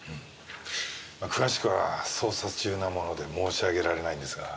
詳しくは捜査中なもので申し上げられないんですが。